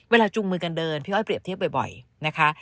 จูงมือกันเดินพี่อ้อยเปรียบเทียบบ่อยนะคะ